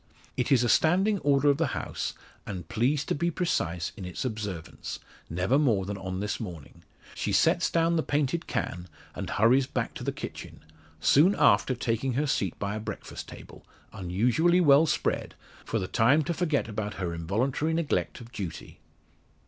It is a standing order of the house, and pleased to be precise in its observance never more than on this morning she sets down the painted can, and hurries back to the kitchen, soon after taking her seat by a breakfast table, unusually well spread, for the time to forget about her involuntary neglect of duty.